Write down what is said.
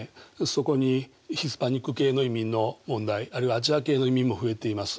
そこにヒスパニック系の移民の問題あるいはアジア系の移民も増えています。